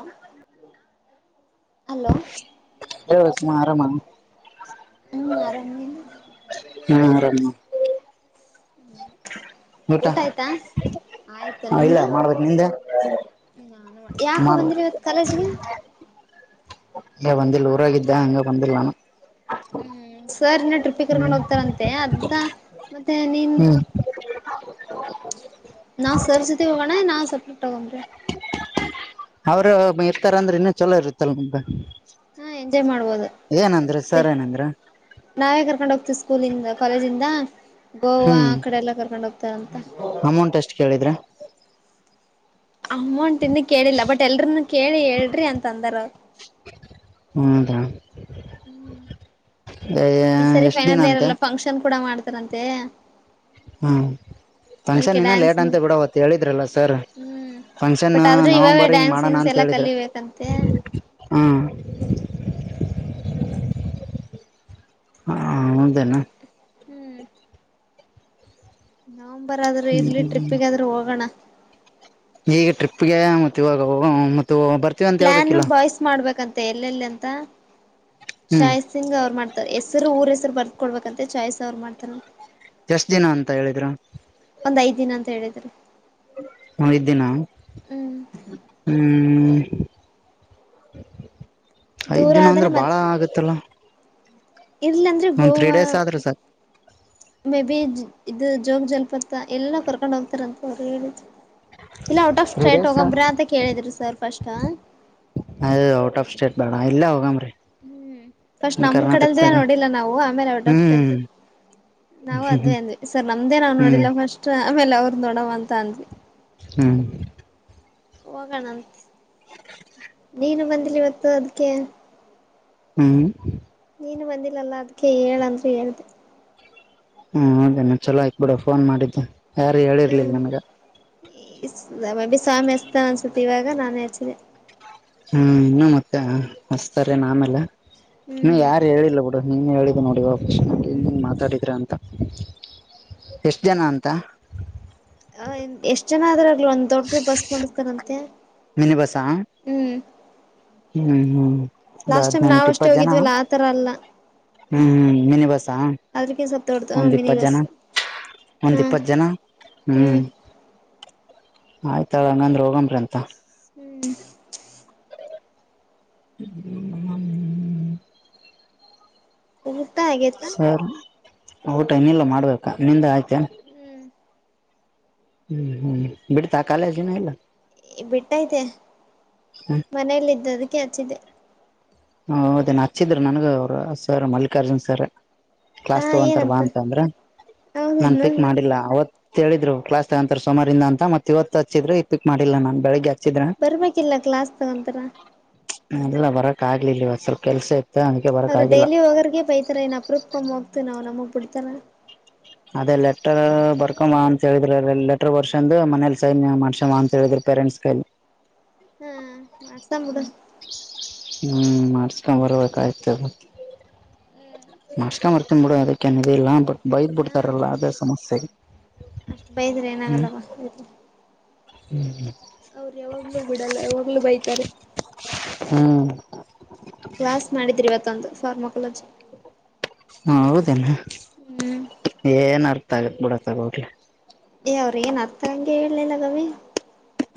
ಹ್ಮ್ ಕೆವತ್ತು ಆರಾಮ ಹುಂ ಆರಾಮ ನಿವು ಹಾ ಆರಾಮ ಊಟ ಆಯ್ತಾ ಆಯ್ತು ಹ ಇಲ್ಲ ನಿಮ್ದು ಮಾಡ್ಬೇಕ ನಿಂದ ಯಾಕೋ ಮಾಡ್ಬೇಕ ಬಂದಿಲೋ ಇವತ್ ಕಾಲೇಜ್ ಗೆ ಹಂಗ ಬಂದಿಲ್ಲ ಊರಾಗಿದ್ದ ಹಂಗ ಬಂದಿಲ್ಲ ನಾನು ಹ್ಮ್ ಸರ್ ಇನ್ನ ಟ್ರಿಪ್ಪಿ ಕರ್ಕೊಂಡ್ ಹ್ಮ್ ಹೋಗ್ತಾರಂತೆ ಅದ ಮತ್ತೆ ನೀನ್ ಹ್ಮ್ [inaudible] ನಾ ಸರ್ ಜೊತೆ ಹೋಗಣ ನಾ ಸಪ್ರೆಟ ಹೋಗಂಬ್ರ ಅವ್ರ ಇರ್ತಾರ ಅಂದ್ರೆ ಇನ್ನ ಚೊಲೋ ಇರುತ್ತಲ್ ನಿಮ್ದ ಹಾ ಎಂಜಾಯ್ ಮಾಡ್ಬೋದ ಏನಂದ್ರ ಸರ್ ಏನಂದ್ರ ನಾವೇ ಕರ್ಕೊಂಡ ಹೋಗ್ತ ಸ್ಕೂಲಿಂದ ಕಾಲೇಜಿಂದ ಗೋವಾ ಹ್ಮ್ ಆ ಕಡೆ ಎಲ್ಲ ಕರ್ಕೊಂಡ ಹೋಗ್ತಾರಂತ ಅಮೌಂಟ್ ಎಷ್ಟ್ ಕೇಳಿದ್ರ ಅಮೌಂಟ್ ಇನ್ ಕೇಳಿಲ್ಲ ಬಟ್ ಎಲ್ರನು ಕೇಳಿ ಹೇಳ್ರಿ ಅಂತ ಅಂದಾರ ಹೌದಾ ಹ್ಮ್ ಈ ಸರಿ ಎಷ್ಟ್ ದಿನ ಫೈನಲ್ ಅಂತೆ ಇರಲ್ಲ ಫಂಕ್ಷನ್ ಕೂಡ ಮಾಡ್ತಾರಂತೆ ಹ್ಮ ಫಂಕ್ಷನ್ ಅದಕ್ಕೆ ಇನ್ನ ಲೇಟ್ ಡ್ಯಾನ್ಸ್ ಅಂತ ಬಿಡ ಅವತ್ ಹೇಳಿದ್ರಲ್ಲ ಸರ್ ಹ್ಮ್ ಫಂಕ್ಷನ್ ಬಟ್ ಆದ್ರೂ ಇವಾಗ ನವಂಬರ್ಂಗ ಡ್ಯಾನ್ಸ್ ಮಾಡೋಣ ಗಿನ್ಸ್ ಅಂತ ಎಲ್ಲಾ ಹೇಳಿದ್ರೆ ಕಲಿಬೇಕಂತೆ ಹಾ [inaudible] ಹೌದೇನ ಹ್ಮ್ ನವಂಬರ್ ಆದ್ರೆ ಇರ್ಲಿ ಹ್ಮ್ ಟ್ರಿಪ್ಪಿಗಾದ್ರೂ ಹೋಗೋಣ ಈಗ ಟ್ರಿಪ್ಗೆ ಮ ಇವಾಗ ಮ ಬರ್ತೀವ ಅಂತ ಪ್ಲಾನ್ ಹೇಳ್ಬೇಕಿಲ್ಲ ಬಾಯ್ಸ್ ಮಾಡ್ಬೇಕಂತೆ ಎಲ್ಲೆಲ್ಲಿ ಅಂತ ಹ್ಮ್ ಶಾಯತ್ ಸಿಂಗ್ ಅವ್ರು ಮಾಡ್ತಾರೆ ಎಸ್ ಸರ್ ಊರ ಹೆಸರ್ ಬರ್ಕ ಕೊಡ್ಬೇಕಂತೆ ಚಾಯ್ಸ ಅವರು ಮಾಡ್ತಾರಂತೆ ಎಷ್ಟ ದಿನ ಅಂತ ಹೇಳಿದ್ರು ಒಂದ್ ಐದ್ ದಿನ ಅಂತ ಹೇಳಿದ್ರರು ಹ್ಮ ಐದ್ದಿನ ಹ್ಮ್ ಹ್ಮ ಐದ್ ದೂರ ದಿನ ಆದ್ರೆ ಅಂದ್ರೆ ಬಾಳ ಆಗುತ್ತಲ್ಲಾ ಇರ್ಲ್ಲ ಅಂದ್ರೆ ಗೋವಾ ಆದ್ರಿ ಸರ್ ಮೇ ಬಿ ಇದು ಜೋಗ ಜಲಪಾತ ಎಲ್ಲ ಕರ್ಕೊಂಡು ಹೋಗ್ತಾರಂತ ಅವ್ರು ಹೇಳಿದ್ರು. ಇಲ್ಲ out of three state days ಹೋಗಂಬ್ರಿ ಅಂತ ಕೇಳಿದ್ರಿ ಸರ್ ಫಸ್ಟ್ ಅದು ಔಟ್ ಆಫ್ ಸ್ಟೇಟ್ ಬೇಡ ಇಲ್ಲೇ ಹೋಗೋಮ್ರಿ ಹ್ಮ್ ಫಸ್ಟ್ ನಮ ಕಡೆಲ್ದ ನೋಡಿಲ್ಲ ನಾವು ಆಮೇಲೆ ಅವಡ್ರ ಹ್ಮ್ ನಾವು ಅದೇ ಹ್ಮ್ ಅಂದ್ವಿ ಸರ್ ನಮ್ದೇ ನಾವ್ ಹ್ಮ್ ನೋಡಿಲ್ಲ ಫಸ್ಟ್ ಆಮೇಲೆ ಅವ್ರ ನೋಡವ ಅಂತ ಅಂದ್ವಿ ಹ್ಮ್ ಹೋಗಣ ಏನು ಬಂದಿಲ್ಲ ಇವತ್ತು ಅದಕ್ಕೆ ಹ್ಮ್ ನೀನು ಬಂದಿಲ್ಲಲ್ಲ ಅದ್ಕೆ ಹೇಳಂದ್ರರು ಹೇಳ್ದ ಹ್ಮ ಹೌದ ನ ಚಲೋ ಆಯಿತ್ ಬಿಡ ಫೋನ್ ಮಾಡಿದ್ದೆ ಯಾರು ಹೇಳಿರ್ಲಿಲ್ಲ ಹ್ಮ್ ನನಗ ಬಿ ಸ್ವಾಮಿ ಎಸ್ತ ಅನ್ಸತಿ ಇವಾಗ ನಾನೇ ಹಚ್ಚಿದೆೆ ಹ್ಮ ಇನ್ನುೂ ಮತ್ತೆ ಹಸ್ತಾರೆ ನಾಮೆಲ್ಲ ಇನ್ನು ಹ್ಮ್ ಯಾರು ಹೇಳಿಲ್ಲ ಬಿುಡು ನೀನು ಹೇಳ ಹ್ಮ್ ನೋಡಿ ಮಾತಾಡಿದ್ರಾ ಅಂತ ಎಷ್ಟು ಜನ ಅಂತ ಹ ಎಷ್ಟ್ ಜನ ಆದ್ರಗ್ಲಿ ಒಂದ್ ದೊಡ್ಡ ಬಸ್ ಮಾಡರ್ತಾರಂತೆ ಹೊಸ ಹ್ಮ್ ಹ್ಮ್ ಲಾಸ್ಟ್ ಟೈಮ್ ಹದ್ನೆಂಟು ನಾವ್ ಅಷ್ಟೇ ಇಪ್ಪತ್ತು ಜನ ಹೋಗಿದ್ವಲ್ಲ ಆತರ ಅಲ್ಲ ಹ್ಮ್ ಹ್ಮ್ ಮಿನಿ ಬಸ ಅದ್ರಕ ಸ್ವಲ್ಪ ದೊಡ್ಡದು ಹ್ಮ ಒಂದ್ ಮಿನಿ ಇಪ್ಪತ್ ಬಸ್ ಜನ ಒಂದ್ ಹ್ಮ್ ಇಪ್ಪತ್ತು ಜನ ಹ್ಮ್ ಆಯ್ತ ಹಂಗಂದ್ರ ಹೋಗಂಬ್ರಿ ಅಂತ ಹ್ಮ್ ಹ್ಮ ಮ ಹ್ಮ ಹಊಟಾ ಆತ ಊಟನ್ನಲ್ಲ ಮಾಡ್ಬೇಕಾ ನಿಂದ ಆಯ್ತ ಹ್ಮ ಹ್ಮ್ ಹ್ಮ್ ಬಿಡ್ತಾ ಕಾಲಜನ ಇಲ್ಲ ಬಿಟ್ಟೈತೆ ಹ್ಮ ಮನೇಲ್ಲ್ದ ಅದಕ್ಕೆ ಆಚ್ಚಿದ್ದೆ ಹ ಹೌದ ಹಚ್ಚಿದ್ರ ನನಗ ಅವರು ಸರ್ ಮಲ್ಲಿಕಾರ್ಜುನ್ ಸರ್ ಹಾ ಕ್ಲಾಸ್ ತಗೊಂತಾರ ಬಾ ಏನಂತ ಅಂತ ಅಂದ್ರ ನನ್ ಹೌದನ್ನ ಪಿಕ್ ಮಾಡಿಲ್ಲ ಅವತ್ ತಿಳಿದ್ರು ಕ್ಲಾಸ್ ತಗೊಂತಾರೆ ಸುಮಾರಿಂದ ಅಂತ ಮತ್ತ ಇವತ್ತುಚ್ಚಿದ್ ಇ ಪಿಕ್ ಮಾಡಿಲ್ಲ ನಾನನ್ ಬೆಳಗ್ಗೆ ಬರ್ಬೇಕಿಲ್ಲ ಕ್ಲಾಸ್ ತಗೊಂತರ ಎಲ್ಲ ಬರಕ್ ಆಗ್ಲಿಲ್ಲವ ಸ್ವಲ್ಪ ಕೆಲ್ಸ ಇತ್ತು ಅದಕ್ಕೆ ಬರಕ್ ಅವ್ರು ಆಗಿಲ್ಲ ಡೈಲಿ ಹೋಗರ್ಗ ಬೈತಾರೆ ಇನ್ ಅಪೂಪ್ಕೊ್ ಹೋಗ್ತು ನಾವ್ ನಮಗ್ ಬಿಡ್ತಾರ ಅದೇ ಲೆಟರ್ ಬರ್ಕ್ ಅಂತ ಹೇಳಿದ್ರಿ ಲೆಟರ್ ಬರ್ಸಂದ ಮನೇಲಿ ಸೈನ್ ಮಾಡಸವ ಅಂತ ಹೇಳಿದ್ರ ಪೇರೆಂಟ್ಸ್ಗೆ ಹಾ ಮಾಡಸಬಡ ಹ್ಮ್ ಮಾಡಸ್ಕೊಂಡ್ ಬರ್ಬೇಕಾಯ್ತದ ನಾಶ್ಕ ಮಾಡರ್ತೀನ್ ಬಿಡು ಅದಕ್ಕೇನ್ ಇದಿಲ್ಲಾ ಬಟ್ ಬೈದ್ ಬಿಡ್ತಾರಲ್ಲ ಅದೇ ಸಮಸ್ಯ ಅಷ್ಟ್ ಬೈದ್ರೆ ಏನಾಗಲ್ಲವಾ ಇ ಹ್ಮ್ ಹ್ಮ್ ಅವ್ರ ಯಾವಾಗ್ಲೂ ಬಿಡಲ್ಲ ಯಾವಾಗ್ಲುೂ ಬೈತಾರೆ ಹ್ಮ್ ಕ್ಲಾಸ್ ಮಾಡಿದ್ರಿ ಇವತ್ತೊ ಒಂದು ಫಾರ್ಮಾಕಲಜಿ ಹ ಹೌದೇನ ಏನ್ ಅರ್ಥ ಆಗ ಬಿಡಕ್ಕಗೋಗಲಿ ಏ ಅವ್ರ ಏನ್ ಅರ್ಥ ಹಂಗೆ ಹೇಳಲಿಲ್ಲ ಗವಿ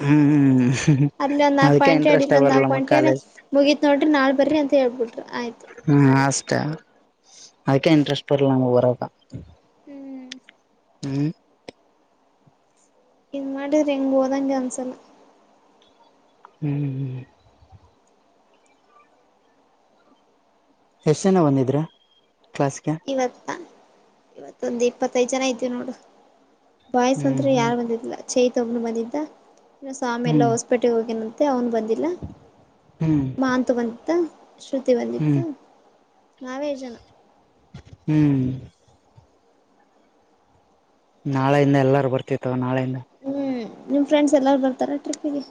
ಹ್ಮ್ ಅಲ್ಲಿ ಒಂದ್ ನಲ್ಕ್ ಅದಕ್ಕೆ ಪಾಯಿಂಟ್ ಹೇಳಡಿ ಇಂಟ್ರೆಸ್ಟ್ ಇಲ್ಲಿ ಒಂದ ಬರಲ್ಲ ನಾಕಕ್ ನಮಗ್ ಪ್ಟ್ ಹೇಳೆ ಕಾಲೇಜ್ ಮುಗಿತತ್ ನೋಡ್ರಿ ನಾಳ ಬರ್ರಿ ಅಂತ ಹೇಳ್ಬಿಟ್ರು ಆಯ್ತು ಹ್ಮ ಆಷ್ಟೆ ಅದಕ್ಕೇ ಇಂಟ್ರೆಸ್ಟ್ ಬರ್ಲಾ ಊರದ ಹ್ಮ್ ಹ್ಮ್ ಇಡ ರಂಗ್ಬೋದ ಚನ್ಸಲ್ಲ ಹ್ಮ್ ಹ್ಮ್ ಹೆಷ್ಟನ ಒಂದಿದ್ರೆ ಇವತ್ತ ಇವತ್ತೊಂದ್ ಇಪ್ಪತ್ತೈದ್ ಜನ ಇದ್ದವಿ ನೋಡು ಬಾಯ್ಸ್ ಮಂತ್ರ ಹ್ಮ್ ಯಾರು ಬಂದಿದಾ ಚೈತ ಒಬ್ನು ಬಂದಿದ್ದ ಇ ಸ್ವಾಮಿ ಎಲ್ಲ ಹ್ಮ್ ಹೊಸ್ಪೇಟೆಗೆ ಹೋಗಿನ ಮತ್ತ ಅವನು ಬಂದಿಲ್ಲ ಹ್ಮ್ ಹ್ಮ್ ಮಾ ಅಂತು ಬಂತಿದ್ದ ಶ್ರುತಿ ಬಂದಿತ್ತು ಹ್ಮ್ ನಾವೇ ಜನ ಹ್ಮ್ ನಾಳೆಯಿಂದ ಎಲ್ಲಾರು ಬರ್ತಿತವ ನಾಳೆಯಿಂದ ಹ್ಮ್ ನಿಮ್ ಫ್ರೆಂಡ್ಸ್ ಎಲ್ಲಾರು ಬರ್ತಾರ ಟ್ರಿಪ್ಪಿಗೆ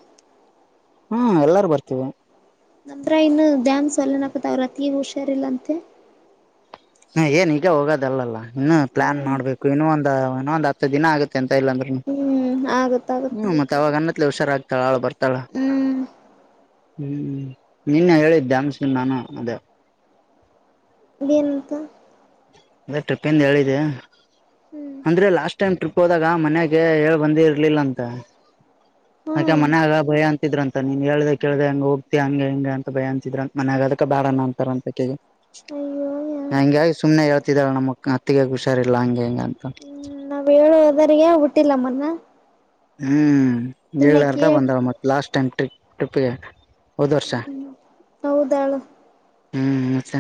ಹ್ಮ್ ಎಲ್ಲಾರು ಬರ್ತೀವಿ ನಂತ್ರ ಇನ್ನು ಡ್ಯಾಾಮಸ್ವಲ್ಲನಕತ್ತ ಅವ್ರ ಅತಿ ಹುಷಾರಿಲ್ಲಂತೆ ಲ್ಲಲ್ಲ ಇನ್ನು ಪ್ಲಾನ್ ಹ್ಮ್ ಮಾಡ್ಬೇಕು ಇನ್ನು ಒಂದ ಇನ್ನೊ ಒಂದ ಹತ್ತು ದಿನ ಆಗುತ್ತೆ ಎಂತ ಇಲ್ಲಾಂದ್ರರು ಹ್ಮ್ ಆಗತ್ತಾಗತ್ ಹ್ಮ ಮತ್ತ ಅವಾಗ ಅನ್ನತ್ ಹುಷಾರಾಗ್ತಾಳ ಬರ್ತ ಳ ಹ್ಮ್ ಹ್ಮ ನಿನ್ನೆ ಹೇಳಿದ್ದಾ ಸಿಂದ ನಾನು ಅದೇ ಎಂತ ಟ್ರಿಪ್ಂದ ಹೇಳಿದೆ ಹ್ಮ್ ಅಂದ್ರೆ ಲಾಸ್ಟ್ ಟೈಮ್ ಟ್ರಿಪ್ ಹೋದಾಗ ಮನ್ಯಾಗ ಹೇಳ್ ಬಂದ ಇರ್ಲಿಲ್ಲ ಅಂತ ಹಾ ಆಕೆ ಮನ್ಯಾಗ ಭಯ ಅಂತಿದ್ರಂತ. ನೀನ್ ಹೇಳ್ದ ಕೇಳ್ದ ಹೆಂಗೆ ಹೋಗ್ತಿ ಹಂಗ ಹಿಂಗ ಅಂತ ಭಯ ಅನ್ಸಿದ್ರ ಮನ್ಯಾಗ ಅದಕ್ಕ ಬ್ಯಾಡಣ ಅಂತಾರ ಅಂತ ಕಿ ಅಯ್ಯೋ ಹಂಗಾಗಿ ಸುಮ್ನೆ ಯ ನಮ ಅತ್ತಿಗಗ ಹುಷಾರಿಲ್ಲ ಹಂಗೆ ಹಿಂಗ ಅಂತ ಹ್ಮ ನಾವ್ ಹೇಳು ಓದ್ರಗ ಬಿಟ್ಟಿಲ್ಲಮ್ಮನ್ನ ಹ್ಮ್ ಹೇಳಲಾರ್ದ ಬಂದಾಳ ಮತ್ತ ಲಾಸ್ಟ್ ಟೈಮ್ ಟ್ರಿಪ್ ಟ್ರಿಪ್ಗೆ ಹೋದ್ ವರ್ಷ ಹ್ಮ್ ಹೌದಳ. ಹ್ಮ್ ಮತ್ತ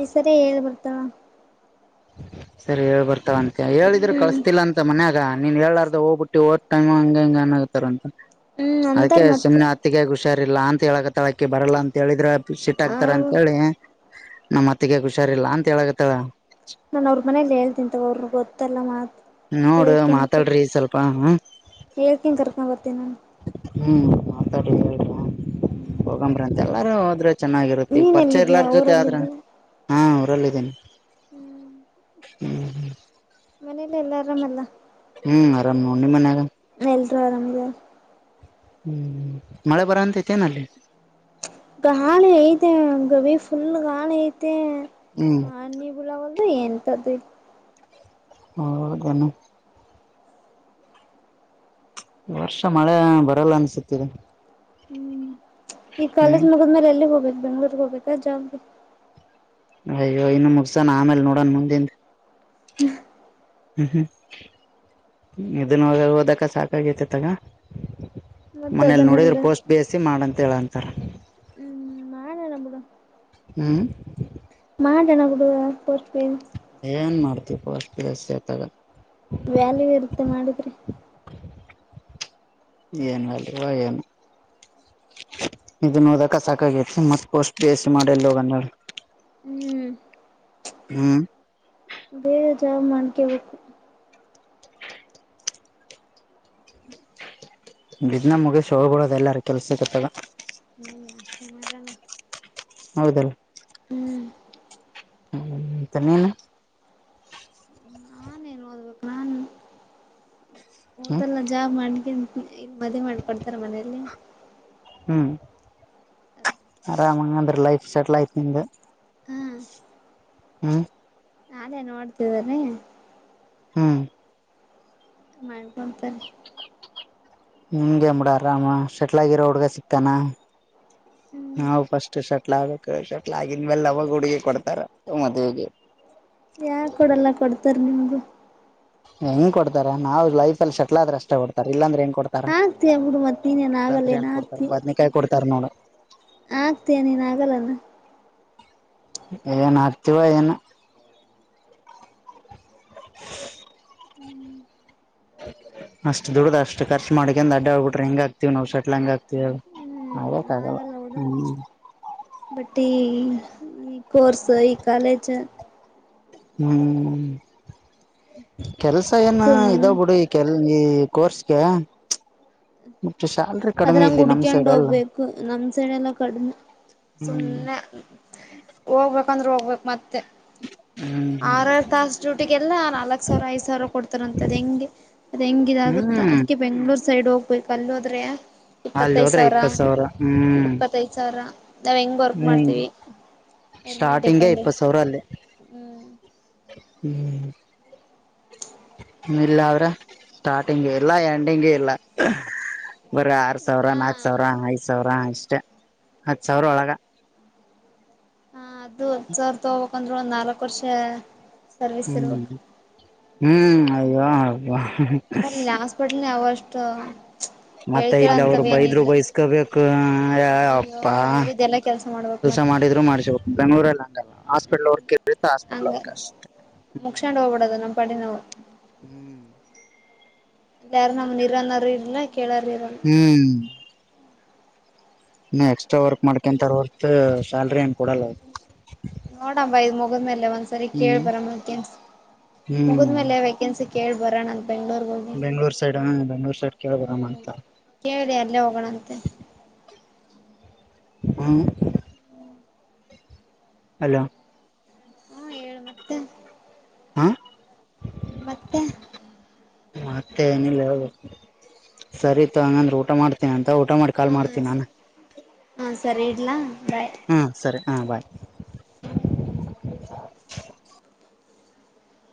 ಈ ಸರಿ ಏಳ್ ಬರ್ತಾಳ. ಸರಿ ಹೇಳ್ ಬರ್ತಾಲಂಕ ಹೇಳಿದ್ರ ಹ್ಮ್ ಕಳಸ್ತಿಲ್ಲ ಅಂತ ಮನ್ಯಾಗ ನೀನ್ ಹೇಳಲಾರ್ದ ಹೋಗ್ಬಿಟ್ಟ ಹೋದ ತಮ್ ಹಂಗ ಹಿಂಗ ಅನ್ನತರ ಅಂತ ಹ್ಮ್ ಅಂತಾರ ಅದಕ್ಕೆ ಮತ್ತೆ ಸುಮ್ನೆ ಅತ್ತಿಗೆಗ ಹು ಷಾರಿಲ್ಲಾ ಅಂತ ಹೇಳಕತಳಕಿ ಬರಲ್ಲ ಅಂತ ಹೇಳಿದ್ರ ಸಿಟ್ ಆಕ್ತಾರ ಅಂತ ಹೇಳಿ. ನಮ್ಮ ಅತ್ತಿಗೆಗ ಹುಷಾರಿಲ್ಲಾ ಅಂತ ಹೇಳಕತ್ತಳ. ನಾ ಅವ್ರ ಮನೇಲಿ ಹೇಳ್ತನ ತುಗೋ ಅವ್ರ ಗೊತ್ತಲ್ಲ ಮಾತ್ ನೋಡು ಹಳ್ಕೆನ್ ಮಾತಾಡ್ರಿ ಸ್ವಲ್ಪ ಹ ಏಳ್ಕೆನ್ ಕರ್ಕ ಬರ್ತೀನಿ. ನಾನು ಎಹ್ಮ್ [unintelligible] ಹೋಗನರು ಎಲ್ಲಾರು ಅದ್ರ ಚೆನ್ನಾಗಿರತ್ತ ಈ ನೀನ್ ಪರಿಚಯ ಎಲ್ಲಿದ್ದೀಯ ಇಲ್ಲಾರ ಜೊತೆ ಆದ್ರ ಹಾ ಉರಲ್ಲ ಇದೀನಿ. ಹ್ಮ. ಹ್ಮ್ ಹ್ಮ. ಮನೇಲ್ಲ ಎಲ್ಲಾ ಆರಾಮಲ್ಲ. ಹ್ಮ ಆರಾಮ ನೋಡ್ ನಿಮ್ಮ ಮನ್ಯಾಗ ಎಲ್ಲರು ಆರಾಮ ಇದರ. ಹ್ಮ ಮಳೆ ಬರಂತ ಐತೇನ ಅಲ್ಲಿ ಗಾಳ ಐತೆ ಗವಿ ಫುಲ್ ಗಾಳ ಐತ ಹ್ಮ್ ಅ ನೀ ಬುಲವ ಅಂದ್ರ ಎಂತ್ದು ಹ ಗಣ ವರ್ಷ ಮಳೆ ಬರಲ್ಲ ಅನ್ಸತ್ತ ಇದ ಹ್ಮ ಈ ಕಾಲೇಜ್ ಮುಗದ್ಮೇಲ ಎಲ್ಲಿಗ ಹೋಗ್ಬೇಕ ಬೆಂಗ್ಳೂರಗ ಹೋಗ್ಬೇಕ ಜಾ ಅಯ್ಯ ಇನ್ನ ಮುಗಸನ್ ಆಮೇಲೆ ನೋಡನ ಮುಂದಿಂದ [inaudible] ಹ್ಮ ಹ್ಮ ಇದನ್ನ ಓದಕ ಸಾಕಾಗತ ಅತ್ತಗ ಮತ್ತ ಮನೇಲಿ ನೋಡಿದ್ರ ಅದನ್ನೆಲ್ಲ ಪೋಸ್ಟ್ ಬೇಸಿ ಮಾಡ ಅಂತ ಹೇಳಂತಾರ. ಹ್ಮ. ಹ್ಮ. ಅದೇನ ಹುಡಗ ಪೋಸ್ಟ ಪೇ ಎನ್ ಮಾಡ್ತಿ ಪೋಷ್ಟ ಅತಾಗ ವ್ಯಾಲ್ಯೂ ಇರತ್ತೆ ಮಾಡಿದ್ರಿ. ಏನ ವ್ಯಾಲುವ ಏನು ಇದನ್ನ ಓದಾಕ ಸಾಕಾಗೈತಿ ಮತ್ತ ಪೋಸ್ಟ್ ಬೇಸಿ ಮಾಡಿಲ ಹೋಗನ ಹೇಳ ಹ್ಮ್ ಹ್ಮ. ಬೇಗ ಜಾಬ್ ಮಾಡ್ಕೊಬೇಕ. ಬಿದ್ನ ಮುಗಷ ಹೋಗಬೊದ ಎಲ್ಲಾರ ಕೆಲ್ಸಕ್ಕತ್ತಾಗ. ಹ್ಮ್ ಅಷ್ಟೇ ಮಾಡಣ. ಹೌದಲ್ಲ. ಹ್ಮ ತ ನೀನ ನಾನೇನ್ ಓದ್ಬೇಕು ನಾನ್ ಹ್ಮ್ ಓದಲ್ಲ ಜಾಬ್ ಮಾಡ್ಕ ಈ ಮದ್ವಿ ಮಾಡಕೊಡ್ತಾರ ಮನೆಲ್ಲಿ ಹ್ಮ್ ಆರಾಮಂಗ ಅಂದ್ರೆ ಲೈಫ್ ಸೆಟ್ಲ್ ಐ್ತ್ ನಿ್ದ ಹಾ ಹ್ಮ್ ನೋಡ್ತಿದ್ದನೆ ಹ್ಮ್ ಮಾಡ್ಕೊಂತಾನೆ [unintelligible] ಹ್ಗೆಡರಾಮ ಸೆಟ್ಲಾಗಿಿರೋಡ್ಗೆ ಸಿಗ್ತಾನ ಹ್ಮ್ ನಾವು ಫಸ್ಟ್ ಶಟ್ಲ ಆಗಕ್ ಶಟ್ಲ ಆಗನ್ ಮೇಲ್ ಅವವಾಗ ಹುಡುಗಿ ಕೊಡ್ತಾರ ಮದುವೆಗೆ ಯಾರ್ ಕೊಡಲ್ಲ ಕೊಡ್ತಾರ ನಿಮ್ಗು ಹೆಂಗ್ ಕೊಡ್ತಾರೆ ನಾವ್ ಲೈಫ ಅಲ್ಲಿ ಸೆಟಲ್ ಆದ್ರೆ ಅಷ್ಟೆ ಕೊಡ್ತಾರೆ ಇಲ್ಲಂದ್ರೆ ಹೆಂಗ ಕೊಡ್ತಾರೆ ಆಗ್ತೀಯ ಬಿಡು ಮತ್ ನೀನೇನ್ [unintelligible] ಆಗಲ್ಲ ಬಿರಿಯಾನಿ ಕೊಡ್ತಾರ ಬದ್ನೇಕಾಯಿ ಕೊಡ್ತಾರ ನೋಡು ಆಗ್ತೀಯಾ ನೀನ್ ಆಗಲ್ಲನ ಏನ್ ಆಕ್ತಿೀವಾ ಏನೊ [inaudible] [inaudible] ಅಷ್ಟ ದುಡ್ದ ಅಷ್ಟ ಖರ್ಚ್ ಮಾಡಕ ಅಡ್ಡ ಹಬ ಬಿ್ರಿ ಹೆಂಗ ಆತತಿವಿ ನಾವು ಸೆಟ್ಲ್ ಹಂಗ ಆಾತತಿವ ಹ್ಮ್ [unintelligible] [unintelligible] ಹ್ಮ್ ಬಟ್ಟ ಈ ಈ ಕರ್ಸ್ ಈ ಕಾಲೇಜ್ ಹ್ಮ್ ಕೆಲ್ಸ ಏನ ಇದಾವ್ ಸುಮ್ ಬಿಡಿ ಕೆಲ್ಸ ಈ ಕೋರ್ಸ್ಗೆ ಸ್ಯಾಲ್ರಿ ಕಡಿಮೆ ಅದ್ರಂಗ ಇಲ್ಲಿ ನಮ್ ಕುಡಕೊಂಡು ಸೈಡ್ ಎಲ್ಲ ಹೋಗ್ಬೇಕು ನಮ್ ಸೈಡೆ ಎಲ್ಲ ಕಡಿಮೆ ಹ್ಮ್ ಸುಮ್ನೆ ಹೋಗ್ಬೇಕಂದ್ರೆ ಹೋಗ್ಬೇಕು ಮತ್ತೆ ಹ್ಮ್ ಹ್ಮ್ ಆರರ್ ತಾಸ ಡೂಟಿಗೆ ಎಲ್ಲಾ ನಾಲ್ಕ್ ಸಾವಿರ ಐದ್ ಸಾವಿರ ಕೊಡ್ತಾರ ಅಂತದ್ ಹೆಂಗೆ ಅದ ಹೆಂಗಿದಾಗುತ್ತೆ ಹ್ಮ್ ಅದಕ್ಕೆ ಬೆಂಗಳೂರು ಸೈಡ್ ಹೋಗ್ಬೇಕು ಅಲ್ಲೋದ್ರೆ ಅಲ್ಲಿ ಇಪ್ಪತ್ತೈದ ಹೋದ್ರೆ ಸಾವಿರ ಇಪ್ಪತ್ ಹ್ಮ್ ಇಪ್ಪತ್ತೈದ ಸಾವಿರ ತವ್ ಹೆಂಗ್ ವರ್ಕ್ ಮಾಡ್ತೀವಿ ಅದರ್ಮೇಲೆ ಸ್ಟಾರ್ಟಿಂಗೇ ಡಿಪೆಂಡ ಇಪ್ಪತ್ ಸಾವಿರ ಅಲ್ಲಿ ಹ್ಮ್ ಹ್ಮ್ ಇಲ್ಲ ಅವ್ರ ಸ್ಟಾರ್ಟಿಂಗ ಇಲ್ಲ ಎಂಡಿಂಗು ಇಲ್ಲ [unintelligible] ಬರ ಆರ್ ಸಾವಿರ ಹಾ ನಾಕ್ ಸಾವಿರ ಐದ್ ಸಾವಿರ ಇಷ್ಟೇ ಹತ್ ಸಾವಿರ ಒಳಗ ಹ ಅದು ಹತ್ತು ಸಾವಿರ ತಗೋಬೇಕಕ್ಂದ್ರರು ಒಂದ್ ನಾಲ್ಕ್ ವರ್ಷ ಸರ್ವಿಸ್ ಹ್ಮ್ ಇರ್ಬೇಕು ಹ್ಮ್ ಯಯೋ ಅವಾ ಆ [unintelligible] ಹಾಸ್ಪಿಟ್ಲ್ ಯಷ್ಟು ಮತ್ತ ಇಲ್ಲ ಅವರು ಬೈದ್ರು ಬಯಸ್ಕೋಬೇಕು ಯ ಅಯ್ಯೋ ಅಪ್ಪಾ ಅವ್ರು ಹೇಳಿದ್ದೆಲ್ಲಾ ಕೆಲ್ಸ ಮಾಡ್ಬೇಕ್ ಕೆಲಸ ಮತ್ತೆ ಮಾಡಿದ್ರು ಮಾಡ್ಸಬೇಕು ಬೆಂಗಳೂರಲ್ಲ ಹಂಗಲ್ಲ ಹಾಸ್ಪಿಟಲ್ ವರ್ಕ್ ಇತ್ತ ಹಾಸ್ಪಿಟಲ್ ವರ್ಕ್ ಅಷ್ಟೇ ಮುಕ್ಷಾಂಡ ಹೋಗಬೂಡದು ನಾಮ್ ಪಡಗೆ ನವು ಹ್ಮ್ ಯಾರು [unintelligible] ನಮ ಇರನಾರ ಇಲ್ಲ ಕೇಳಾರ ಇರಲ್ಲ ನೀ ಎಕ್ಸ್ಟ್ರಾ ವರ್ಕ್ ಮಾಡ್ಕೊಂತಾರ ಹೊ ಸ್ಯಾಲ್ರಿ ಏನ್ ಕೊಡಲ್ಲ ಮುಗ್ಮೇಲೆ ಒಂದ್ಸರಿ ಹ್ಮ್ ಕೇಳಬರ ಹ್ಮ್ ಮುಗ್ಮೇಲೆ ವೇಕೆನ್ಸಿ ಕೇಳ ಬರೋಣ ಬೆಂಗ್ಳೂರ್ ಸೈಡ್ ಹ ಬೆಂಗ್ಳೂರ್ ಸೈಡ್ ಕೇಳ ಬರ ಅ್ಂತ ಕೇಳಿದೇ ಅಲ್ಲೇ ಹೋಗೋಣಂತೆ ಹು ಹಲೋ ಹ್ಮ ಹೇಳು ಮತ್ತೆ ಹಾ ಮತ್ತೆ ಮತ್ತೆ ಏನಿಲ್ಲ ಹೇಳ್ಬೇಕು ಸರಿ ತಗಂದ್ರೆ ಊಟ ಮಾಡ್ತೇನ ಅಂತ [unintelligible] ಊಟ ಮಾಡಿ ಕಾಲ್ ಹಾ ಮಾಡ್ತನಿ ನಾನೇ ಸರಿ ಹಾ ಸರಿ ಇಡ್ಲಾ ಬಾಯ್ ಹ್ಮ ಸರಿ ಹ ಬಾಯ್ [inaudible]